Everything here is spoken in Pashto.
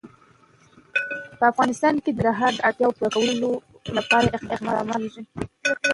په افغانستان کې د ننګرهار د اړتیاوو پوره کولو لپاره اقدامات کېږي.